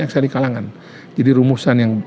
yang sedih kalangan jadi rumusan yang